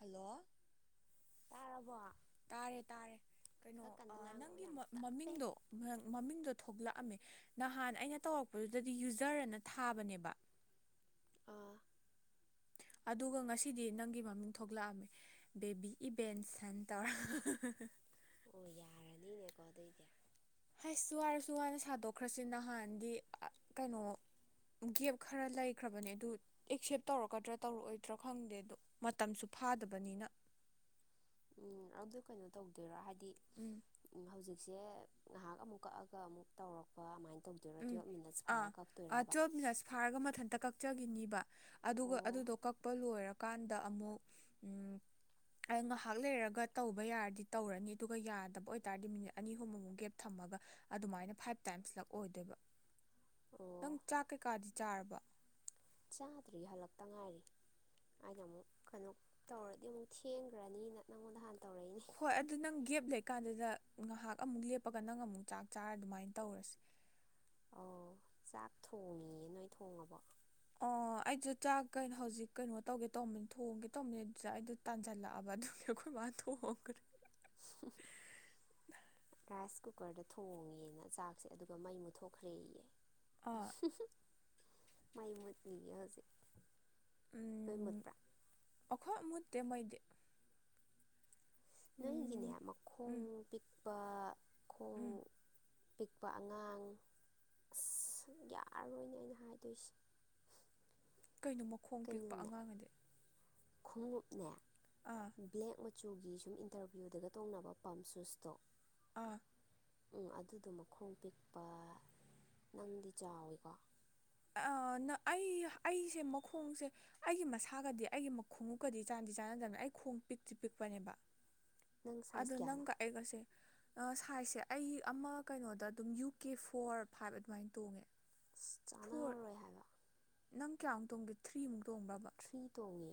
hello ꯇꯥꯔꯕꯣ ꯇꯥꯔꯦ ꯇꯥꯔꯦ ꯀꯩꯅꯣ ꯈꯔ ꯀꯟꯅ ꯉꯥꯡꯉꯛꯑꯣ ꯅꯪꯒꯤ ꯌꯥꯝ ꯇꯞꯄꯦ ꯃꯃꯤꯡꯗꯣ ꯃꯃꯤꯡꯗꯣ ꯊꯣꯛꯂꯛ ꯑꯝꯃꯦ ꯅꯍꯥꯟ ꯑꯩꯅ ꯇꯧꯔꯛꯄꯗꯨꯗꯗꯤ ꯌꯨꯖꯔ ꯑꯅ ꯊꯥꯕꯅꯦꯕ ꯑꯥ ꯑꯗꯨꯒ ꯉꯁꯤꯗꯤ ꯅꯪꯒꯤ ꯃꯃꯤꯡ ꯊꯣꯛꯂꯛꯑꯝꯃꯦ ꯕꯦꯕꯤ ꯏꯚꯦꯟ ꯁꯦꯟꯇꯔ ꯑꯣ ꯌꯥꯔꯅꯤꯅꯦꯀꯣ ꯑꯗꯨꯑꯣꯏꯗꯤ ꯍꯁꯁꯨ ꯋꯥꯔꯁꯨ ꯋꯥꯅ ꯁꯥꯗꯣꯛꯈ꯭ꯔꯁꯤ ꯅꯍꯥꯟꯗꯤ ꯀꯩꯅꯣ ꯒꯦꯞ ꯈꯔ ꯂꯩꯈ꯭ꯔꯕꯅꯦ ꯑꯗꯨ ꯑꯦꯛꯁꯦꯞ ꯇꯧꯔꯛꯀꯗ꯭ꯔꯥ ꯇꯧꯔꯛꯑꯣꯏꯗ꯭ꯔꯥ ꯈꯪꯗꯦ ꯑꯗꯣ ꯃꯇꯝꯁꯨ ꯐꯥꯗꯕꯅꯤꯅ ꯎꯝ ꯑꯗꯨ ꯀꯩꯅꯣ ꯇꯧꯗꯣꯏꯔꯥ ꯍꯥꯏ ꯗꯤ ꯎꯝ ꯎꯝ ꯍꯧꯖꯤꯛꯁꯦ ꯉꯍꯥꯛ ꯑꯃꯨꯛ ꯀꯛꯑꯒ ꯑꯃꯨꯛ ꯇꯧꯔꯛꯄ ꯑꯃꯥꯏꯅ ꯎꯝ ꯑꯥ ꯑꯥ ꯇ꯭ꯋꯦꯜꯞ ꯃꯤꯅꯠꯁ ꯐꯥꯔꯒ ꯃꯊꯟꯇ ꯀꯛ ꯆꯒꯤꯅꯤꯕ ꯑꯗꯨꯒ ꯑꯣ ꯑꯗꯨꯗꯣ ꯀꯛꯄ ꯂꯣꯏꯔꯀꯥꯟꯗ ꯑꯃꯨꯛ ꯉꯥꯏꯍꯥꯛ ꯂꯩꯔꯒ ꯇꯧꯕ ꯌꯥꯔꯗꯤ ꯇꯧꯔꯅꯤ ꯑꯗꯨꯒ ꯌꯥꯗꯕ ꯑꯣꯏꯇꯥꯔꯗꯤ ꯃꯤꯅꯤꯠ ꯑꯅꯤ ꯑꯍꯨꯝꯃꯨꯛ ꯒꯦꯞ ꯊꯝꯃꯒ ꯑꯗꯨꯃꯥꯏꯅ ꯐꯥꯏꯚ ꯇꯥꯏꯝꯁ ꯂꯛ ꯑꯣꯏꯗꯕ ꯅꯪ ꯑꯣ ꯆꯥꯛ ꯀꯩ ꯀꯥꯗꯤ ꯆꯥꯔꯕꯣ ꯆꯥꯗ꯭ꯔꯤꯌꯦ ꯍꯜꯂꯛꯇ ꯉꯥꯏꯔꯤ ꯑꯩꯅ ꯑꯃꯨꯛ ꯀꯩꯅꯣ ꯇꯧꯔꯗꯤ ꯑꯃꯨꯛ ꯊꯦꯡꯒ꯭ꯔꯅꯤꯅ ꯅꯪꯉꯣꯟꯗ ꯍꯥꯟꯅ ꯇꯧꯔꯛꯏꯅꯦ ꯍꯣꯏ ꯑꯗꯨ ꯅꯪ ꯒꯦꯞ ꯂꯩꯀꯥꯟꯗꯨꯗ ꯉꯍꯥꯛ ꯑꯃꯨꯛ ꯂꯦꯞꯄꯒ ꯅꯪ ꯑꯃꯨꯛ ꯆꯥꯛ ꯆꯥꯔ ꯑꯗꯨꯃꯥꯏ ꯇꯧꯔꯁꯤ ꯑꯧ ꯆꯥꯛ ꯊꯣꯡꯉꯤꯦ ꯅꯣꯏ ꯊꯣꯡꯉꯕꯣ ꯑꯣ ꯑꯩꯁꯨ ꯆꯥꯛ ꯀꯩꯅꯣ ꯍꯧꯖꯤꯛ ꯀꯩꯅꯣ ꯇꯧꯒꯦ ꯇꯧꯕ ꯊꯣꯡꯒꯦ ꯇꯧꯕꯅꯤ ꯑꯗꯨꯗ ꯑꯩꯗꯣ ꯇꯥꯟꯖꯜꯂꯛꯑꯕ ꯑꯗꯨꯒꯤ ꯑꯩꯈꯣꯏ ꯃꯥ ꯊꯣꯡꯈ꯭ꯔꯦ ꯍꯨꯝ ꯍꯨꯝ ꯔꯥꯏꯁ ꯀꯨꯀꯔꯗ ꯊꯣꯡꯉꯦꯅ ꯆꯥꯛꯁꯦ ꯑꯗꯨꯒ ꯃꯩ ꯃꯨꯠꯊꯣꯛꯈ꯭ꯔꯦꯌꯦ ꯑꯥ [inaudible] ꯃꯩ ꯃꯨꯠꯂꯤꯅꯦ ꯍꯧꯖꯤꯛ ꯅꯣꯏ ꯃꯨꯠꯄ꯭ꯔꯥ ꯈꯣꯏ ꯃꯨꯠꯇꯦ ꯃꯩꯗꯤ ꯅꯣꯏꯒꯤꯅꯦ ꯎꯝ ꯃꯈꯣꯡ ꯎꯝ ꯄꯤꯛꯄ ꯎꯝ ꯑꯄꯤꯛꯄ ꯑꯉꯥꯡ ꯑꯁ ꯌꯥꯔꯣꯏꯅꯦ ꯑꯩꯅ ꯍꯥꯏꯗꯣꯏꯁꯦ ꯀꯩꯅꯣ ꯃꯈꯣꯡ ꯄꯤꯛꯄ ꯀꯩꯅꯣꯅꯦ ꯑꯉꯥꯡ ꯑꯗꯤ ꯈꯣꯡꯎꯞꯅꯦ ꯕ꯭ꯂꯦꯛ ꯃ ꯃ ꯆꯨꯒꯤ ꯁꯨꯝ ꯏꯟꯇꯔꯚ꯭ꯌꯨꯗꯒ ꯇꯣꯡꯅꯕ ꯄꯝ ꯁ꯭ꯨꯁꯇꯣ ꯑꯥ ꯎꯝ ꯑꯗꯨꯗꯣ ꯃꯈꯣꯡ ꯄꯤꯛꯄ ꯅꯪꯗꯤ ꯆꯥꯎꯋꯤꯀꯣ ꯑ ꯅ ꯑꯩ ꯑꯩꯁꯦ ꯃꯈꯣꯡꯁꯦ ꯑꯩꯒꯤ ꯃꯁꯥꯒꯗꯤ ꯑꯩꯒꯤ ꯃꯈꯣꯡꯎꯞꯀꯗꯤ ꯆꯥꯟꯗꯤ ꯆꯥꯟꯅꯗꯕꯅꯤ ꯑꯩ ꯈꯣꯡ ꯄꯤꯛꯇꯤ ꯄꯤꯛꯄꯅꯦꯕ ꯅꯪ ꯑꯗꯣ ꯁꯥꯏꯖ ꯀꯌꯥꯅꯣ ꯅꯪꯒ ꯑꯩꯒꯁꯦ ꯑ ꯁꯥꯏꯖꯁꯦ ꯑꯩ ꯑꯃ ꯀꯩꯅꯣꯗ ꯑꯗꯨꯝ ꯌꯨ ꯀꯦ ꯐꯣꯔ ꯐꯥꯏꯚ ꯑꯗꯨꯃꯥꯏꯅ ꯇꯣꯡꯉꯦ ꯑꯁ ꯐꯣꯔ ꯆꯥꯟꯅꯔꯔꯣꯏ ꯍꯥꯏꯕ ꯅꯪ ꯀꯌꯥꯃꯨꯛ ꯇꯣꯡꯒꯦ ꯊ꯭ꯔꯤꯃꯨ ꯊ꯭ꯔꯤ ꯇꯣꯡꯉꯦ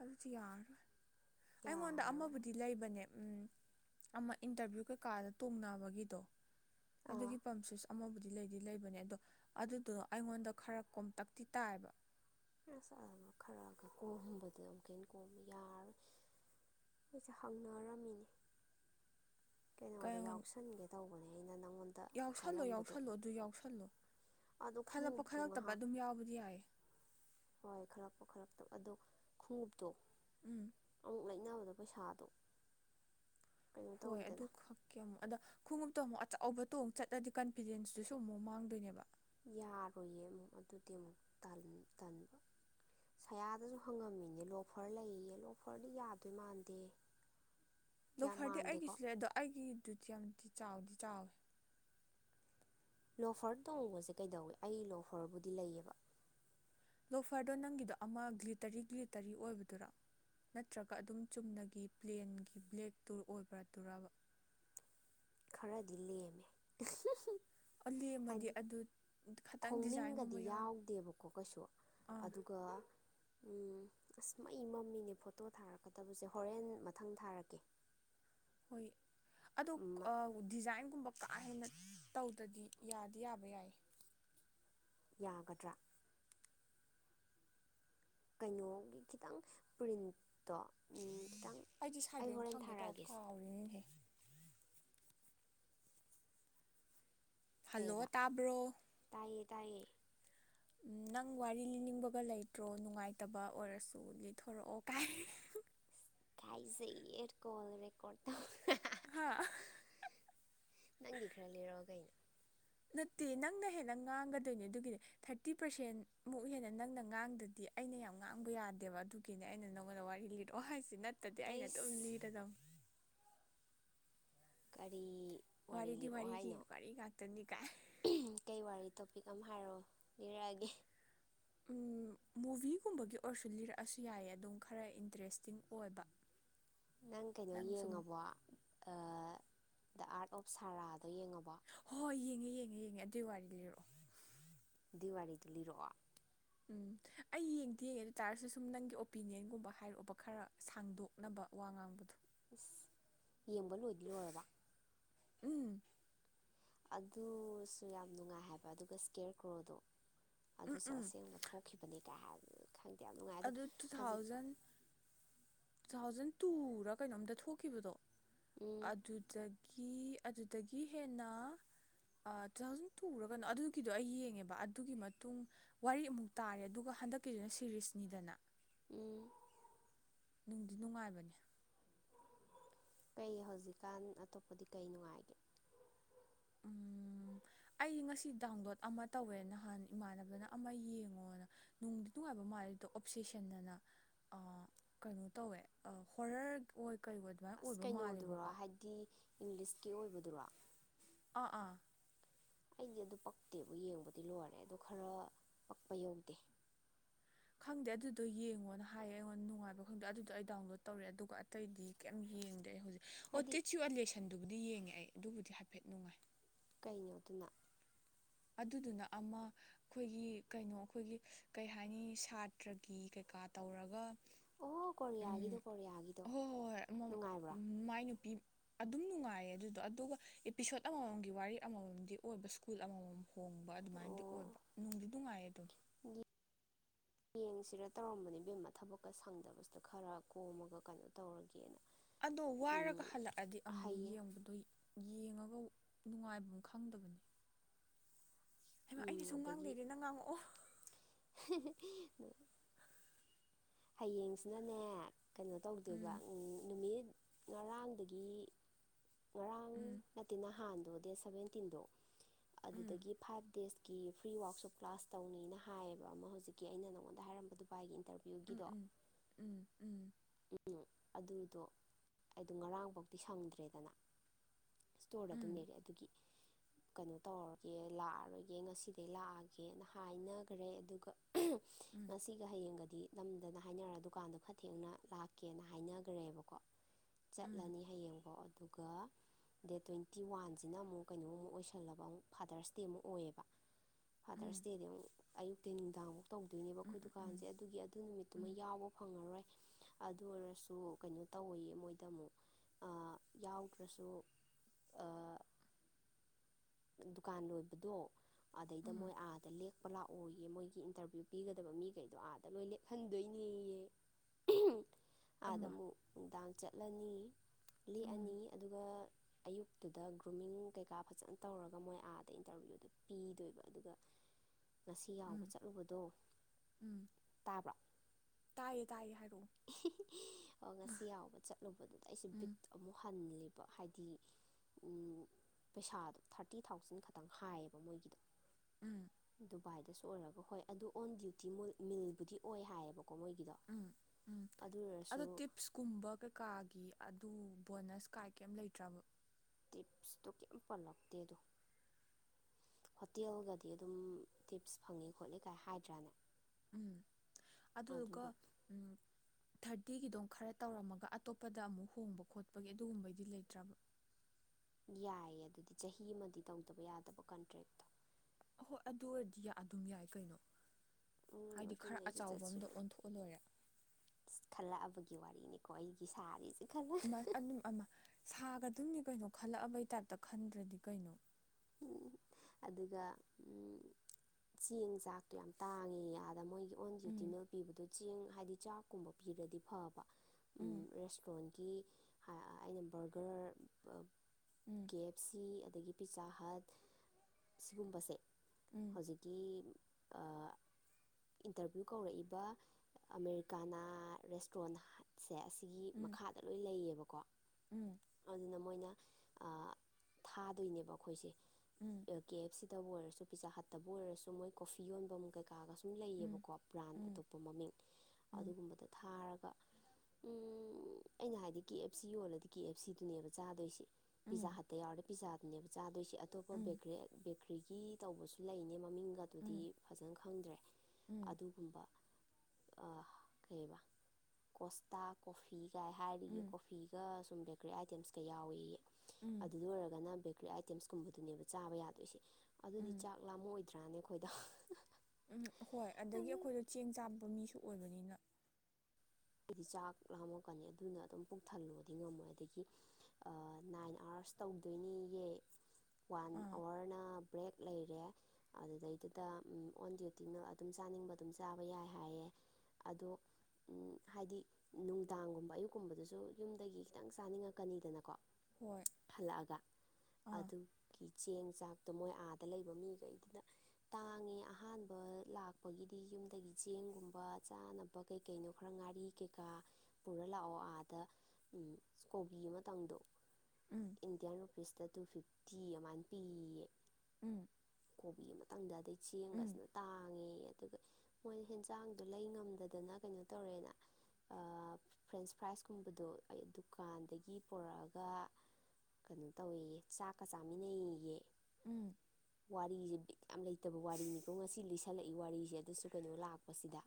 ꯑꯗꯨꯗꯤ ꯌꯥꯔꯔꯣꯏ ꯑꯩꯉꯣꯟꯗ ꯌꯥꯔꯔꯣꯏ ꯑꯃꯕꯨꯗꯤ ꯂꯩꯕꯅꯦ ꯎꯝ ꯑꯃ ꯏꯟꯇꯔꯚꯤꯌꯨ ꯀꯩꯀꯥꯗ ꯇꯣꯡꯅꯕꯒꯤꯗꯣ ꯑꯥ ꯑꯗꯨꯒꯤ ꯄꯝꯁꯨꯁ ꯑꯃꯕꯨꯗ ꯂꯩꯗꯤ ꯂꯩꯕꯅꯦ ꯑꯗꯣ ꯑꯗꯨꯗꯣ ꯑꯩꯉꯣꯟꯗ ꯈꯔ ꯀꯣꯝꯇꯛꯇꯤ ꯇꯥꯏꯕ ꯑꯁ ꯑꯃ ꯈꯔꯒ ꯀꯣꯝꯕꯗꯣ ꯑꯃꯨꯛꯀ ꯀꯣꯕ ꯌꯥꯔꯣꯏ ꯑꯩꯁꯦ ꯍꯦꯅꯔꯝꯃꯤꯅꯦ ꯀꯩꯅꯣꯗꯣ ꯀꯩꯉꯣꯟ ꯌꯥꯎꯁꯟꯒꯦ ꯇꯧꯕꯅꯦ ꯑꯩꯅ ꯅꯪꯉꯣꯟꯗ ꯌꯥꯎꯁꯜꯂꯣ ꯍꯥꯏꯔꯝꯕꯗꯣ ꯌꯥꯎꯁꯜꯂꯣ ꯑꯗꯨ ꯌꯥꯎꯁꯜꯂꯣ ꯑꯗꯣ ꯈꯜꯂꯛꯄ ꯈꯣꯡꯎꯞꯇꯣ ꯈꯜꯂꯛꯇꯕ ꯉꯥꯏꯍꯥꯛ ꯑꯗꯨꯝ ꯌꯥꯎꯕꯗꯤ ꯌꯥꯏꯌꯦ ꯍꯣꯏ ꯈꯟꯂꯛꯄ ꯈꯟꯂꯛꯇꯕ ꯑꯗꯣ ꯈꯨꯉꯨꯞ ꯇꯣ ꯎꯝ ꯑꯃꯨꯛ ꯂꯩꯅꯕꯗꯣ ꯄꯩꯁꯥꯗꯣ ꯀꯩꯅꯣ ꯍꯣꯏ ꯑꯗꯨ ꯇꯧꯋꯤꯗꯅ ꯈꯛꯀꯤ ꯑꯃꯨꯛ ꯑꯗꯥ ꯈꯨꯉꯨꯞꯇꯣ ꯑꯃꯨꯛ ꯑꯆꯧꯕ ꯇꯣꯡ ꯆꯠꯂꯗꯤ ꯀꯟꯐꯤꯗꯦꯟꯁꯇꯨꯁꯨ ꯑꯃꯨꯛ ꯃꯥꯡꯗꯣꯏꯅꯦꯕ ꯌꯥꯔꯣꯏꯌꯦ ꯑꯃꯨꯛ ꯑꯗꯨꯗꯤ ꯑꯃꯨꯛ ꯇꯟꯂꯦ ꯇꯟ ꯁꯌꯥꯗꯁꯨ ꯍꯪꯉꯝꯃꯤꯅꯦ ꯂꯣꯐꯔ ꯂꯩꯌꯦ ꯂꯣꯐꯔꯗꯤ ꯌꯥꯗꯣꯏ ꯃꯥꯟꯗꯦ ꯌꯥꯝ ꯂꯣꯐꯔꯗꯤ ꯃꯥꯟꯗꯦꯀꯣ ꯑꯩꯒꯤꯁꯨ ꯂꯩ ꯑꯗꯣ ꯑꯩꯒꯤꯗꯨꯗꯤ ꯌꯥꯝ ꯆꯥꯎꯗꯤ ꯆꯥꯎꯋꯦ ꯂꯣꯐꯔ ꯇꯣꯡꯕꯁꯦ ꯀꯩꯗꯧꯋꯦ ꯑꯩ ꯂꯣꯐꯔꯕꯨꯗꯤ ꯂꯩꯌꯦꯕ ꯂꯣꯐꯔꯗꯣ ꯅꯪꯒꯤꯗꯣ ꯑꯃ ꯒ꯭ꯂꯤꯇꯔꯤ ꯒ꯭ꯂꯤꯇꯔꯤ ꯑꯣꯏꯕꯗꯨꯔꯥ ꯅꯠꯇ꯭ꯔꯒ ꯑꯗꯨꯝ ꯆꯨꯝꯅꯒꯤ ꯄ꯭ꯂꯦꯟꯒꯤ ꯕ꯭ꯂꯦ ꯇꯨꯔ ꯑꯣꯏꯕꯗꯨꯔꯔꯕ ꯈꯔ ꯗꯂꯦꯃꯦ ꯂꯦꯝꯃꯗꯤ ꯍꯥꯏꯗꯤ ꯑꯗꯨ ꯈꯇꯪ ꯈꯣꯡꯅꯤꯡꯒꯗꯤ ꯗꯤꯖꯥꯏꯟꯒꯨꯝꯕ ꯌꯥꯎ ꯌꯥꯎꯗꯦꯕꯀꯣ ꯀꯩꯁꯨ ꯑꯥ ꯑꯗꯨꯒ ꯑꯁ ꯃꯩ ꯃꯝꯃꯤꯅꯦ ꯐꯣꯇꯣ ꯊꯥꯔꯛꯀꯗꯕꯁꯦ ꯍꯣꯔꯦꯟ ꯃꯊꯪ ꯊꯥꯔꯛꯀꯦ ꯍ ꯑꯗꯣ ꯗꯤꯖꯥꯏꯟꯒꯨꯝꯕ ꯀꯥ ꯍꯦꯟꯅ ꯇꯧꯗꯗꯤ ꯌꯥꯗꯤ ꯌꯥꯕ ꯌꯥꯏ ꯌꯥꯒꯗ꯭ꯔꯥ ꯀꯩꯅꯣꯒꯤ ꯈꯤꯇꯪ ꯄ꯭ꯔꯤꯟꯠꯇꯣ ꯑꯩꯗꯤ ꯁ꯭ꯋꯥꯏꯗ ꯑꯣꯏꯅ ꯊꯝꯒꯦ ꯇꯧꯔ ꯀꯥꯎꯔꯤꯅꯤꯍꯦ ꯍꯜꯂꯣ ꯇꯥꯕ꯭ꯔꯣ ꯇꯌꯦ ꯅꯪ ꯋꯥꯔꯤ ꯂꯤꯅꯤꯡꯕꯒ ꯂꯩꯇ꯭ꯔꯣ ꯅꯨꯡꯉꯥꯏꯇꯕ ꯑꯣꯏꯔꯁꯨ ꯂꯤꯊꯣꯔꯛꯑꯣ ꯀꯥꯏ ꯀꯥꯏꯁꯦꯔ ꯀꯣꯜ ꯔꯦꯀꯗ ꯍꯥ ꯅꯪꯒꯤ ꯈꯔ ꯂꯩꯔꯛꯑꯣ ꯀꯩꯅꯣ ꯅꯠꯇꯦ ꯅꯪꯅ ꯍꯦꯟꯅ ꯉꯥꯡꯒꯗꯣꯏꯅꯦ ꯑꯗꯨꯒꯤꯅꯦ ꯊꯥꯔꯇꯤ ꯄꯥꯔꯁꯦꯟꯃꯨꯛ ꯍꯦꯟꯅ ꯅꯪꯅ ꯉꯥꯡꯗꯗꯤ ꯑꯩꯅ ꯌꯥꯝ ꯉꯥꯡꯕ ꯌꯥꯗꯦꯕ ꯑꯗꯨꯒꯤꯅꯦ ꯑꯩꯅ ꯅꯪꯉꯣꯟꯗ ꯋꯥꯔꯤ ꯂꯤꯔꯛꯑꯣ ꯍꯥꯏꯁꯤꯦ ꯅꯠꯇꯦ ꯇꯗꯤ ꯑꯩꯅ ꯑꯗꯨꯝ ꯑꯩꯁ ꯂꯤꯔꯗꯧ ꯀꯔꯤ ꯋꯥꯔꯤ ꯋꯥꯍꯔꯤ ꯂꯤꯔꯛꯑꯣ ꯗꯤꯍꯔꯤ ꯀ ꯍꯥꯏꯅꯣ ꯋꯥꯔꯤꯔꯤꯀꯥꯛꯗ ꯅꯤꯀꯥꯏꯥꯏ ꯀꯩ ꯋꯥꯔꯤ ꯇꯣꯄꯤꯛ ꯑꯃ ꯍꯥꯏꯔꯛꯣꯑꯣ ꯂꯤꯔꯛꯑꯒꯦ ꯃꯨꯚꯤꯒꯨꯝꯕꯒꯤ ꯑꯣꯏꯔꯁꯨ ꯂꯤꯔꯛꯑꯁꯨ ꯌꯥꯏꯑ ꯑꯗꯨꯝ ꯈꯔ ꯏꯟꯇꯔꯦꯁꯇꯤꯡ ꯑꯣꯏꯕ ꯅꯪ ꯀꯩꯅꯣ ꯌꯦꯡꯉꯕꯣ ꯗ ꯑꯔꯠ ꯑꯣꯐ ꯁꯔꯖ ꯍꯣꯏ ꯌꯦꯡꯉꯦ ꯌꯦꯡꯉꯦ ꯌꯦ ꯑꯗꯨꯏ ꯋꯥꯔꯤ ꯂꯤꯔꯛꯑꯣ ꯑꯗꯨ ꯋꯥꯔꯤꯗꯨ ꯂꯤꯔꯛꯑꯣ ꯎꯝ ꯑꯩ ꯌꯦꯡꯗꯦ ꯌꯦꯡꯉꯦ ꯑꯗꯨ ꯑꯣꯏꯇꯥꯥꯔꯁꯨ ꯁꯨꯝ ꯅꯪꯒꯤ ꯑꯣꯄꯤꯅꯤꯌꯟꯒꯨꯝꯕ ꯍꯥꯏꯔꯛꯑꯣꯕ ꯈꯔ ꯁꯥꯡꯗꯣꯛꯅꯕ ꯋꯥ ꯉꯥꯡꯕꯗꯣ [unintelligible] ꯌꯦꯡꯕ ꯂꯣꯏꯗꯤ ꯂꯣꯏꯔꯕ ꯎꯝ ꯑꯗꯨꯁꯨ ꯌꯥꯝ ꯅꯨꯡꯉꯥꯏ ꯍꯥꯏꯕ ꯑꯗꯨꯒ ꯏꯁꯀꯦꯌꯔ ꯀ꯭ꯔꯣꯗꯣ ꯎꯝ ꯑꯗꯨꯁꯨ ꯎꯝ ꯑꯁꯦꯡꯕ ꯊꯣꯛꯈꯤꯕꯅꯤ ꯀꯥꯏ ꯍꯥꯏ ꯑꯗꯨ ꯇꯨ ꯊꯥꯎꯖꯟ ꯇꯨ ꯊꯥꯎꯖꯟ ꯇꯨꯔ ꯀꯩꯅꯣꯝꯇ ꯊꯣꯛꯈꯤꯕꯗꯣ ꯎꯝ ꯑꯗꯨꯗꯒꯤ ꯑꯗꯨꯗꯒꯤ ꯍꯦꯟꯅ ꯇꯨ ꯊꯥꯎꯖꯟ ꯇꯨꯔꯒꯅꯣ ꯑꯗꯨꯒꯤꯗꯣ ꯑꯩ ꯌꯦꯡꯉꯦꯕ ꯑꯗꯨꯒꯤ ꯃꯇꯨꯡ ꯋꯥꯔꯤ ꯑꯃꯨꯛ ꯇꯥꯔꯦ ꯑꯗꯨꯒ ꯍꯟꯗꯛꯀꯤꯗꯨꯅ ꯁꯤꯔꯤꯁꯅꯤꯗꯅ ꯎꯝ ꯅꯨꯡꯗꯤ ꯅꯨꯡꯉꯥꯏꯕꯅꯦ ꯀꯩ ꯍꯧꯖꯤꯛꯀꯥꯟ ꯑꯇꯣꯞꯄꯗꯤ ꯀꯩ ꯅꯨꯡꯉꯥꯏꯒꯦ ꯑꯩ ꯉꯁꯤ ꯗꯥꯎꯟꯂꯣꯗ ꯑꯃ ꯇꯧꯋꯦ ꯅꯍꯥꯟ ꯏꯃꯥꯟꯅꯕꯅ ꯑꯃ ꯌꯦꯡꯉꯣꯅ ꯅꯨꯡꯗꯤ ꯅꯨꯡꯉꯥꯏꯕ ꯃꯥꯜꯜꯂꯤꯗꯣ ꯑꯣꯞꯁꯦꯁꯟꯅꯅ ꯀꯩꯅꯣ ꯇꯧꯋꯦ ꯍꯣꯔꯔ ꯑꯣꯏ ꯀꯩ ꯑꯣꯏ ꯑꯗꯨꯃꯥꯏꯅ ꯑꯁ ꯑꯣꯏꯕ ꯀꯩꯅꯣꯗꯨꯔꯣ ꯃꯥꯜꯂꯦꯕꯀꯣ ꯍꯥꯏꯕꯗꯤ ꯏꯪꯂꯤꯁꯀꯤ ꯑꯣꯏꯕꯗꯨꯔꯣ ꯑ ꯑꯥ ꯑꯩꯗꯤ ꯑꯗꯨ ꯄꯛꯇꯦꯕ ꯌꯦꯡꯕꯗꯤ ꯂꯣꯏꯔꯦ ꯑꯗ ꯈꯔ ꯄꯛꯄ ꯌꯧꯗꯦ ꯈꯪꯗꯦ ꯑꯗꯨꯗꯣ ꯌꯦꯡꯉꯣꯅ ꯍꯥꯏꯌꯦ ꯑꯩꯉꯣꯟꯗ ꯅꯨꯡꯉꯥꯏꯕ ꯈꯪꯗꯦ ꯑꯗꯨꯗꯣ ꯑꯩ ꯗꯥꯎꯟꯂꯣꯗ ꯇꯧꯔꯛꯑꯦ ꯑꯗꯨꯒ ꯑꯇꯩꯗꯤ ꯀꯩꯝ ꯌꯦꯡꯗꯦ ꯑꯩ ꯍꯧꯖꯤꯛ ꯑꯣꯇꯩ ꯍꯥꯏꯗꯤ ꯆꯂꯦꯁꯟꯗ ꯑꯗꯨꯕꯨꯗꯤ ꯌꯦꯡꯉꯦ ꯑꯩ ꯑꯗꯨꯕꯨꯗꯤ ꯍꯥꯏꯐꯦꯠ ꯅꯨꯡꯉꯥꯏ ꯀꯩꯅꯣ ꯑꯗꯨꯅ ꯑꯗꯨꯗꯨꯅ ꯑꯃ ꯑꯩꯈꯣꯏꯒꯤ ꯀꯩꯅꯣ ꯑꯩꯈꯣꯏꯒꯤ ꯀꯩ ꯍꯥꯏꯅꯤ ꯁꯥꯇ꯭ꯔꯒꯤ ꯀꯩꯀꯥ ꯇꯧꯔꯒ ꯑꯣ ꯀꯣꯔꯤꯌꯥꯒꯤꯗꯣ ꯎꯝ ꯀꯣꯔꯤꯌꯥꯒꯤꯗꯣ ꯍꯣꯏ ꯍꯣꯏ ꯍꯣꯏ ꯅꯨꯡꯉꯥꯏꯕ꯭ꯔꯥ ꯃꯥꯏ ꯅꯨꯄꯤ ꯑꯗꯨꯝ ꯅꯨꯡꯉꯥꯏꯌꯦ ꯑꯗꯨꯗꯣ ꯑꯗꯨꯒ ꯑꯦꯄꯤꯁꯣꯠ ꯑꯃꯃꯝꯒꯤ ꯋꯥꯔꯤ ꯑꯃꯃꯝꯗꯤ ꯑꯣꯏꯕ ꯁ꯭ꯀꯨꯜ ꯑꯃꯃꯝ ꯍꯣꯡꯕ ꯑꯗꯨꯃꯥꯏꯅꯗꯤ ꯑꯣ ꯑꯣꯏꯕ ꯅꯨꯡꯗꯤ ꯅꯨꯡꯉꯥꯏꯌꯦ ꯑꯗꯨꯨꯝ ꯌꯦꯌꯦꯡꯁꯤꯔ ꯇꯧꯔꯝꯕꯅꯦ ꯕꯦꯝꯃ ꯊꯕꯛꯀ ꯁꯪꯗꯕꯁꯤꯗ ꯈꯔ ꯀꯣꯝꯃꯒ ꯀꯩꯅꯣ ꯇꯧꯔꯒꯦꯅ ꯑꯗꯣ ꯋꯥꯔꯒ ꯎꯝ ꯍꯜꯂꯛꯑꯗꯤ ꯑꯃꯨꯛ ꯍꯌꯦꯡ ꯌꯦꯡꯕꯗꯣ ꯌꯦꯡꯉꯒ ꯅꯨꯡꯉꯥꯏꯕ ꯑꯃ ꯈꯪꯗꯕꯅꯤ ꯍꯥꯏꯕ ꯑꯩꯗꯤ ꯎꯝ ꯁꯨꯝ ꯑꯗꯒꯤ ꯉꯥꯡꯗꯦꯗ ꯅꯪ ꯉꯥꯡꯉꯛꯑꯣ ꯍ ꯍꯌꯦꯡꯁꯤꯅꯅꯦ ꯀꯩꯅꯣ ꯇꯧꯗꯣꯏꯕ ꯎꯝ ꯅꯨꯃꯤꯠ ꯉꯔꯥꯡꯗꯒꯤ ꯉꯔꯥꯡ ꯎꯝ ꯉꯇ ꯅꯍꯥꯟ ꯑꯗꯣ ꯗꯦꯠ ꯁꯚꯦꯟꯇꯤꯟꯗꯣ ꯎꯝ ꯑꯗꯨꯗꯒꯤ ꯐꯥꯏꯚ ꯇꯦꯁꯀꯤ ꯐ꯭ꯔꯤ ꯋꯔꯥꯛꯁꯣꯞ ꯀ꯭ꯂꯥꯁ ꯇꯧꯅꯤꯅ ꯍꯥꯏꯌꯦꯕ ꯑꯃ ꯍꯧꯖꯤꯛꯀꯤ ꯑꯩꯅ ꯅꯪꯉꯣꯟꯗ ꯍꯥꯏꯔꯝꯕ ꯗꯨꯕꯥꯏꯒꯤ ꯏꯟꯇꯔ ꯎꯝ ꯎꯝ ꯎꯝ ꯎꯝ ꯎꯝ ꯑꯗꯨꯗꯣ ꯑꯩꯗꯣ ꯉꯔꯥꯡꯐꯧꯗꯤꯤ ꯁꯪꯗ꯭ꯔꯦꯗꯅ ꯏꯁꯇꯣꯔ ꯎꯝ ꯑꯗꯨꯝ ꯂꯩꯔꯦ ꯑꯗꯨꯒꯤ ꯀꯩꯅꯣ ꯇꯧꯔꯔꯒꯦ ꯂꯥꯛꯑꯔꯣꯏꯒꯦ ꯉꯁꯤꯗꯒꯤꯩ ꯂꯥꯛꯑꯒꯦꯅ ꯍꯥꯏꯅꯈ꯭ꯔꯦ ꯑꯗꯨꯒ ꯎꯝ ꯎꯝ ꯉꯁꯤꯒ ꯍꯌꯦꯡꯒꯗꯤ ꯅꯗꯅ ꯍꯥꯏꯅꯔ ꯗꯨꯀꯥꯟꯗꯣ ꯈꯔ ꯊꯦꯡꯅ ꯂꯥꯛꯀꯦꯅ ꯍꯥꯏꯅꯈ꯭ꯔꯦꯕꯀꯣ ꯎꯝ ꯆꯠꯂꯅꯤ ꯍꯌꯦꯡꯀꯣ ꯑꯗꯨꯒ ꯗꯦꯠ ꯇ꯭ꯋꯦꯟꯇꯤ ꯋꯥꯟꯁꯤꯅ ꯑꯃꯨꯛ ꯀꯩꯅꯣꯃꯨꯛ ꯑꯣꯏꯁꯜꯂꯕ ꯑꯃꯨꯛ ꯐꯥꯗꯔꯁ ꯗꯦ ꯑꯃꯛ ꯑꯣꯏꯌꯦꯕ ꯎꯝ ꯐꯥꯗꯔꯁ ꯗꯦꯗꯤ ꯑꯌꯨꯛ ꯇꯦꯟꯗꯥꯎ ꯇꯧꯗꯣꯏꯅꯦꯕ ꯑꯩꯈꯣꯏ ꯗꯨꯀꯥꯟꯁꯦ ꯑꯗꯨꯒꯤ ꯑꯗꯨ ꯅꯨꯃꯤꯠꯇꯨꯃ ꯎꯝ ꯎꯝ ꯎꯝ ꯌꯥꯎꯕ ꯐꯪꯉꯔꯣꯏ ꯑꯗꯨ ꯑꯣꯏꯔꯁꯨ ꯀꯩꯅꯣ ꯇꯧꯋꯤꯌꯦ ꯃꯣꯏꯗ ꯑꯃꯨꯛ ꯌꯥꯎꯗ꯭ꯔꯁꯨ ꯗꯨꯀꯥꯟ ꯂꯣꯏꯕꯗꯣ ꯑꯗꯩꯗ ꯎꯝ ꯃꯣꯏ ꯑꯥꯗ ꯂꯦꯛ ꯂꯄ ꯂꯥꯛꯑꯣꯌꯦ ꯃꯣꯏꯒꯤ ꯏꯟꯇꯔꯚ꯭ꯌꯨ ꯄꯤꯒꯗꯕ ꯃꯤꯈꯩꯗꯣ ꯑꯥꯗ ꯂꯣꯏ ꯂꯦꯞꯍꯟꯗꯣꯏꯅꯦꯌꯦ ꯑꯥꯗ ꯑꯩꯃꯥ ꯑꯃꯨ ꯅꯨꯡꯗꯥ ꯆꯠ ꯑꯅꯤ ꯂꯤꯛ ꯎꯝ ꯑꯅꯤ ꯑꯗꯨꯒ ꯑꯌꯨꯛꯇꯨꯗ ꯒ꯭ꯔꯨꯃꯤꯡ ꯀꯩꯀꯥ ꯐꯖꯅ ꯇꯧꯔꯒ ꯃꯣꯏ ꯑꯥꯗ ꯏꯟꯇꯔꯚ꯭ꯌꯨꯗꯨ ꯄꯤꯗꯣꯏꯕ ꯑꯗꯨꯒ ꯉꯁꯤ ꯌꯥꯎꯕ ꯎꯝ ꯆꯠꯂꯨꯕꯗꯣ ꯎꯝ ꯇꯥꯕ꯭ꯔꯥ ꯇꯥꯏꯌꯦ ꯇꯥꯏꯌꯦ ꯍꯥꯏꯔꯛꯑꯣ ꯑꯣ ꯉꯁꯤ ꯌꯥꯎꯕ ꯆꯠꯂꯨꯕꯗꯨꯗ ꯑꯩꯁꯦ ꯕꯤꯠ ꯎꯝ ꯑꯃꯨꯛ ꯍꯟꯂꯦꯕ ꯍꯥꯏꯗꯤ ꯄꯩꯁꯥꯗꯣ ꯊꯥꯔꯇꯤ ꯊꯥꯎꯖꯟ ꯈꯇꯪ ꯍꯥꯏꯌꯦꯕ ꯃꯣꯏꯒꯤꯗꯣ ꯎꯝ [inaudible] ꯎꯕꯥꯥꯏꯗꯁꯨ ꯑꯣꯏꯔꯔꯕꯣ ꯍꯣꯏ ꯑꯗꯨꯗ ꯑꯣꯟ ꯗ꯭ꯌꯨꯇꯤ ꯃꯤꯜꯕꯨꯗꯤ ꯑꯣꯏ ꯍꯥꯏꯌꯦꯕꯣ ꯀꯃꯣꯏꯒꯤꯗ ꯎꯝ ꯎꯝ ꯑꯗꯣ ꯇꯤꯞꯁꯀꯨꯝꯕ ꯀꯩꯀꯥꯒꯤ ꯑꯗꯨ ꯕꯣꯅꯁ ꯀꯥꯏ ꯀꯩꯝ ꯂꯩꯇ꯭ꯔꯕ ꯇꯤꯞꯁꯇꯣ ꯀꯩꯝ ꯄꯜꯂꯛꯇꯦꯗꯣ ꯍꯣꯇꯦꯜꯒꯗꯤ ꯑꯗꯨꯝ ꯇꯤꯞꯁ ꯐꯪꯉ ꯈꯣꯠꯂꯤ ꯀꯥꯏ ꯍꯥꯏꯗ꯭ꯔꯥꯅꯦ ꯎꯝ ꯑꯗꯨꯒ ꯑꯗꯨꯗꯨꯒ ꯎ ꯊꯥꯔꯇꯤꯒꯤꯗꯣ ꯈꯔ ꯇꯧꯔꯝꯃꯒ ꯑꯇꯣꯞꯄꯗ ꯑꯃꯨꯛ ꯍꯣꯡꯕ ꯈꯣꯠꯄꯒꯤ ꯑꯗꯨꯒꯨꯝꯕꯩꯗꯤ ꯂꯩꯇ꯭ꯔꯕ ꯌꯥꯏꯌꯦ ꯑꯗꯨꯗꯤ ꯆꯍꯤ ꯑꯃꯗꯤ ꯇꯧꯗꯕ ꯌꯥꯗꯕ ꯀꯟꯇ꯭ꯔꯦꯛꯇꯣ ꯑꯍꯣꯏ ꯑꯗꯨ ꯑꯣꯏꯔꯗꯤ ꯑꯗꯨꯝ ꯌꯥꯏ ꯀꯩꯅꯣ ꯎꯝ ꯍꯥꯏꯗꯤ ꯑꯗꯨꯅ ꯈꯔ ꯑꯩꯁꯨ ꯑꯆꯕ ꯑꯝꯗ ꯆꯠꯁꯤꯔꯣꯏ ꯑꯣꯟꯊꯣꯛꯑ ꯂꯣꯏꯔꯦ ꯒꯤ ꯋꯥꯔꯤꯅꯤꯀꯣ ꯑꯩꯒꯤ ꯁꯥꯔꯤꯁꯦ ꯈꯜꯂ ꯑꯗꯨ ꯑꯃ ꯁꯥꯒꯗꯅꯤ ꯀꯩꯅꯣ ꯈꯜꯂꯛꯑꯕꯩ ꯇꯥꯏꯞꯇ ꯈꯟꯗ꯭ꯔꯗꯤ ꯀꯩꯅꯣ ꯑꯗꯨꯒ ꯆꯦꯡ ꯆꯥꯛꯇꯣ ꯌꯥꯝ ꯇꯥꯡꯉꯦ ꯑꯗ ꯃꯣꯏꯒꯤ ꯎꯝ ꯑꯣꯟ ꯨꯇꯤꯅ ꯄꯤꯕꯗꯣ ꯆꯦꯡ ꯍꯥꯏꯗꯤ ꯆꯥꯛꯀꯨꯝꯕ ꯄꯤꯔꯗꯤ ꯐꯕ ꯎꯝ ꯔꯦꯁꯇ꯭ꯔꯨꯔꯦꯟ ꯑꯩꯅ ꯕꯔꯒꯔ ꯎꯝ ꯀꯦ ꯑꯦꯐ ꯁꯤ ꯑꯗꯒꯤ ꯄꯤꯖꯥ ꯄꯥꯠ ꯁꯤꯒꯨꯝꯕꯁꯦ ꯎꯝ ꯍꯧꯖꯤꯛꯀꯤ ꯏꯟꯇꯔꯚꯤꯌꯨ ꯀꯧꯔꯛꯏꯕ ꯑꯃꯦꯔꯤꯀꯥꯅ ꯔꯦꯁꯇ꯭ꯔꯣꯟ ꯁꯦ ꯑꯁꯤꯒꯤ ꯃꯈꯥꯗ ꯂꯣꯏ ꯂꯩꯌꯦꯕꯀꯣ ꯎꯝ ꯑꯗꯨꯅ ꯃꯣꯏꯅ ꯊꯥꯗꯣꯏꯅꯦꯕꯀꯣ ꯑꯩꯈꯣꯏꯁꯦ ꯎꯝ ꯀꯦ ꯑꯦꯐ ꯁꯤꯗꯕꯨ ꯑꯣꯏꯔꯁꯨ ꯄꯤꯖꯥ ꯍꯠꯇꯕ ꯑꯣꯏꯔꯁꯨ ꯃꯣꯏ ꯀꯣꯐꯤ ꯌꯣꯟꯕ ꯑꯃꯛ ꯀꯩꯀꯥꯒ ꯁꯨꯝ ꯎꯝ ꯂꯩꯌꯦꯕꯀꯣ ꯕ꯭ꯔꯥꯟ ꯎꯝ ꯑꯇꯣꯞꯄ ꯃꯃꯤꯡ ꯎꯝ ꯑꯗꯨꯒꯨꯝꯕꯗ ꯊꯥꯔꯒ ꯑꯩꯅ ꯍꯥꯏꯗꯤ ꯀꯦ ꯑꯦꯞ ꯁꯤ ꯌꯣꯜꯂꯗꯤ ꯀꯦ ꯑꯦꯞ ꯁꯤꯗꯨꯅꯦꯕ ꯆꯥꯗꯣꯏꯁꯦ ꯎꯝ ꯄꯤꯖꯥꯦꯔ ꯄꯤ ꯑ ꯆꯥꯗꯣꯏꯁꯤ ꯣꯕ꯭ꯔꯕ꯭ꯔ ꯎꯝ ꯐ꯭ꯔꯤꯒꯤ ꯇꯧꯕꯁꯨ ꯂꯩꯅꯦ ꯃꯃꯤꯡ ꯎꯝ ꯑꯗꯨꯗꯤ ꯐꯖꯅ ꯈꯪꯗ꯭ꯔꯦ ꯎꯝ ꯑꯗꯨꯒꯨꯝꯕ ꯀꯩꯕ ꯀꯣꯁꯇꯥ ꯀꯣꯐꯤ ꯀꯥꯏ ꯎꯝ ꯍꯥꯏꯔꯤꯌꯦ ꯎꯝ ꯀꯣꯐꯤꯒ ꯁꯨꯝ ꯀꯔꯤ ꯑꯥꯏꯇꯦꯝꯁ ꯀꯩ ꯌꯥꯎꯏꯤ ꯎꯝ ꯑꯗꯨꯗ ꯑꯣꯏꯔꯒꯅ ꯀ ꯑꯥꯏꯇꯦꯝꯁꯀꯨꯝꯕꯗꯨꯅꯦꯕ ꯆꯥꯕ ꯌꯥꯗꯣꯏꯁꯦ ꯑꯗꯨꯗꯤ ꯎꯝ ꯆꯥꯛ ꯂꯥꯝꯃꯑꯣꯏꯗ꯭ꯔꯥꯅꯦꯣ ꯑꯩꯈꯣꯏꯗ ꯎꯝ ꯍꯣꯏ ꯑꯗꯒꯤ ꯑꯩꯈꯣꯏꯗ ꯆꯦꯡ ꯆꯥꯝꯕ ꯃꯤꯁꯨ ꯑꯣꯏꯕꯅꯤꯅ ꯍꯥꯏꯗꯤ ꯆꯥꯛ ꯂꯥꯝꯃꯛꯀꯅꯤ ꯑꯗꯨꯅ ꯑꯗꯨꯝ ꯄꯨꯛ ꯊꯜꯂꯣꯗꯤ ꯉꯝꯃꯣꯏ ꯑꯗꯒꯤ ꯅꯥꯏꯟ ꯑꯥꯋꯥꯔꯁ ꯇꯧꯗꯣꯏꯅꯤꯌꯦꯦ ꯋꯥꯟ ꯑꯥ ꯑꯋꯥꯔꯅ ꯕ꯭ꯔꯦꯛ ꯂꯩꯔꯦ ꯑꯗꯨꯗꯩꯗꯨꯗ ꯑꯣꯟ ꯗ꯭ꯌꯨꯇꯤꯅ ꯑꯗꯨꯝ ꯆꯥꯅꯤꯡꯕ ꯑꯗꯨꯝ ꯆꯥꯕ ꯌꯥꯏ ꯍꯥꯏꯌꯦꯦ ꯑꯗꯣ ꯍꯥꯏꯗꯤ ꯅꯨꯡꯗꯥꯡꯒꯨꯝꯕ ꯑꯌꯨꯛꯀꯨꯝꯕꯗꯨꯁꯨ ꯌꯨꯝꯗꯒꯤ ꯈꯤꯇꯪ ꯆꯥꯅꯤꯡꯉꯛꯀꯅꯤꯗꯅꯀꯣ ꯍꯣꯏ ꯍꯜꯂꯛꯑꯒ ꯑꯥ ꯑꯗꯨꯒꯤ ꯆꯦꯡ ꯆꯥꯛꯇꯣ ꯃꯣꯏ ꯑꯥꯗ ꯂꯩꯕ ꯃꯤꯈꯩꯗꯨꯅ ꯇꯥꯡꯉꯦ ꯑꯍꯥꯟꯕ ꯂꯥꯛꯄꯒꯤꯗꯤ ꯌꯨꯝꯗꯒꯤ ꯆꯦꯡꯒꯨꯝꯕ ꯆꯥꯅꯕ ꯀꯩꯀꯩꯅꯣ ꯈ ꯈꯔ ꯉꯥꯔꯤ ꯀꯩꯀꯥ ꯄꯨꯔ ꯂꯥꯛꯑꯣ ꯑꯥꯗ ꯀꯣꯕꯤ ꯑꯃꯗꯣ ꯎꯝ ꯏꯟꯗꯤꯌꯥ ꯔꯐꯁꯇ ꯇꯨ ꯐꯤꯐꯇꯤ ꯑꯗꯨꯃꯥꯏꯅ ꯄꯤꯌꯦ ꯎꯝ ꯀꯣꯕꯤ ꯑꯃꯇꯪꯗ ꯑꯗꯩ ꯎꯝ ꯆꯦꯡꯒꯁꯤꯅ ꯇꯥꯡꯉꯦ ꯑꯗꯨꯒ ꯃꯣꯏ ꯍꯦꯟꯁꯥꯡꯗꯣ ꯂꯩ ꯉꯝꯗꯗꯅ ꯀꯩꯅꯣ ꯀ ꯇꯧꯔꯦꯅ ꯐ꯭ꯔꯦꯟꯁ ꯐ꯭ꯔꯥꯏꯖꯀꯨꯝꯕꯗꯣ ꯑꯩ ꯗꯨꯀꯥꯟꯗꯒꯤ ꯄꯨꯣꯔꯛꯑꯒ ꯀꯩꯅꯣ ꯇꯧꯋꯦꯌꯦ ꯆꯥꯛꯀ ꯆꯥꯃꯤꯟꯅꯩꯌꯦ ꯎꯝ ꯋꯥꯔꯤꯔꯤꯖꯕꯤ ꯌꯥꯝ ꯂꯩꯇꯕ ꯋꯥꯔꯤꯅꯤꯀꯣ ꯉꯁꯤ ꯂꯤꯁꯜꯂꯛꯏ ꯋꯥꯔꯤꯁꯦ ꯑꯗꯨꯁꯨ ꯀꯩꯅꯣ ꯂꯥꯛꯄꯁꯤꯗ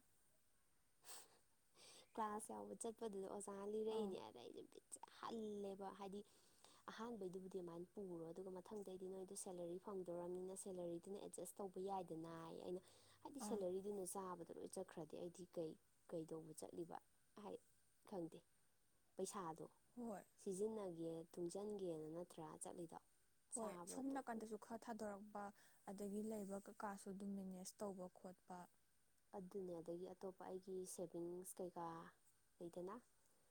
ꯀ꯭ꯂꯥꯁ ꯌꯥꯎꯕ ꯆꯠꯄꯗꯨꯗ ꯑꯥ ꯆꯔꯅꯤ ꯌꯥꯔ ꯍꯜꯂꯦꯕ ꯍꯥꯏꯗꯤ ꯑꯍꯥꯟꯕꯩꯗꯨꯕꯨꯗꯤ ꯑꯗꯨꯃꯥꯏꯅ ꯄꯨꯔꯣ ꯑꯗꯨꯒ ꯃꯊꯪꯗꯩꯗꯤ ꯅꯣꯏꯗꯣ ꯁꯦꯂꯔꯤ ꯐꯪꯗꯣꯔꯔꯕꯅꯤꯅ ꯁꯦꯂꯔꯤꯗꯨꯅ ꯑꯦꯠꯖꯁ ꯇꯧꯕ ꯌꯥꯏꯗꯅꯏ ꯑꯩꯅ ꯍꯥꯏꯗꯤ ꯑꯥ ꯁꯦꯂꯔꯤꯗꯨꯅ ꯆꯥꯕꯗ ꯂꯣꯏ ꯆꯠꯈ꯭ꯔꯗꯤ ꯑꯩꯗꯤ ꯀꯩ ꯀꯩꯗꯧꯕ ꯆꯠꯂꯤꯕ ꯍꯥꯏ ꯈꯪꯗꯦ ꯄꯩꯁꯥ ꯍꯣꯏ ꯁꯤꯖꯤꯟꯅꯒꯦ ꯇꯨꯡꯁꯤꯟꯒꯦꯅ ꯅꯠꯇ꯭ꯔꯥ ꯆꯠꯂꯤꯗꯣ ꯍꯣꯏ ꯁꯣꯝ ꯆꯥꯕꯗꯣ ꯅꯥꯀꯟꯗꯁꯨ ꯈꯔ ꯊꯥꯗꯣꯔꯛꯄ ꯑꯗꯒꯤ ꯂꯩꯕ ꯀꯀꯥꯁꯨ ꯑꯗꯨꯝ ꯃꯦꯅꯦꯖ ꯇꯧꯕ ꯈꯣꯠꯄ ꯑꯗꯨꯅꯦ ꯑꯗꯒꯤ ꯑꯇꯣꯞꯄ ꯑꯩꯒꯤ ꯁꯦꯚꯤꯡꯁ ꯀꯩꯀꯥ ꯂꯩꯗꯅ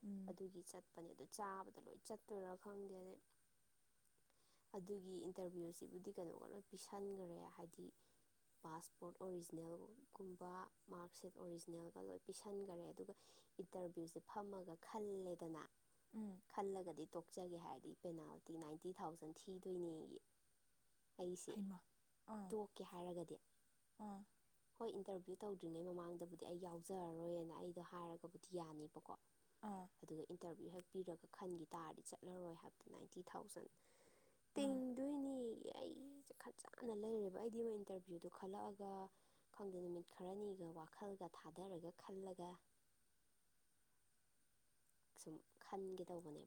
ꯎꯝ ꯑꯗꯨꯒꯤ ꯆꯠꯄꯅꯦ ꯑꯗꯨ ꯆꯥꯕꯗ ꯂꯣꯏ ꯆꯠꯇꯣꯏꯔꯥ ꯈꯪꯗꯦ ꯑꯗꯩ ꯑꯗꯨꯒꯤ ꯏꯟꯇꯔꯚꯤꯌꯨꯁꯤꯕꯨꯗꯤ ꯀꯩꯅꯣꯒ ꯂꯣꯏ ꯄꯤꯁꯟꯈ꯭ꯔꯦ ꯍꯥꯏꯗꯤ ꯄꯥꯁꯄꯣꯔꯠ ꯑꯣꯔꯤꯖꯤꯅꯦꯜ ꯨꯝꯕ ꯃꯥꯔꯛꯁꯤꯠ ꯑꯣꯔꯤꯖꯤꯅꯦꯜꯒ ꯂꯣꯏ ꯄꯤꯁꯟꯈꯔꯦ ꯑꯗꯨꯒ ꯏꯟꯇꯔꯚ꯭ꯌꯨꯁꯦ ꯐꯝꯃꯒ ꯈꯜꯂꯦꯗꯅ ꯎꯝ ꯈꯜꯂꯒꯗꯤ ꯇꯣꯛꯆꯒꯦ ꯍꯥꯏꯔꯗꯤ ꯄꯦꯅꯥꯜꯇꯤ ꯅꯥꯏꯟꯇꯤ ꯊꯥꯎꯖꯟ ꯊꯤꯗꯣꯏꯅꯦ ꯑꯩꯒꯤ ꯑꯩꯁꯦ ꯍꯩꯃ ꯑꯥ ꯇꯣꯛꯀꯦ ꯍꯥꯏꯔꯒꯗꯤ ꯑꯥ ꯍꯣꯏ ꯏꯟꯇꯔꯚ꯭ꯌꯨ ꯇꯧꯗ꯭ꯔꯤꯉꯩ ꯃꯃꯥꯡꯗꯕꯨꯗꯤ ꯑꯩ ꯌꯥꯎꯖꯔꯔꯣꯏꯅ ꯑꯩꯗꯣ ꯍꯥꯏꯔꯒꯕꯨꯗꯤ ꯌꯥꯅꯤꯕꯀꯣ ꯑꯥ ꯑꯗꯨꯒ ꯏꯟꯇꯔꯚꯤꯌꯨ ꯍꯥꯏ ꯍꯥꯄꯤꯔꯒ ꯈꯟꯈꯤ ꯇꯥꯔꯗꯤ ꯆꯠꯂꯔꯣꯏ ꯍꯥꯏꯕꯗ ꯅꯥꯏꯟꯇꯤ ꯊꯥꯎꯖꯟ ꯑꯥ ꯇꯦꯡꯗꯣꯏꯅꯤ ꯑꯩꯁꯦ ꯈꯟ ꯆꯥꯅ ꯂꯩꯔꯦꯕ ꯑꯩꯗꯤ ꯃ ꯏꯟꯇꯔꯚ꯭ꯌꯨꯗ ꯈꯜꯂꯛꯑꯒ ꯃꯪꯗ ꯅꯨꯃꯤꯠ ꯈꯔꯅꯤꯒ ꯋꯥꯈꯜꯒ ꯊꯥꯗꯔꯒ ꯈꯜꯂꯒ ꯁꯨꯝ ꯈꯟꯒꯦ ꯇꯧꯕꯅꯦꯕ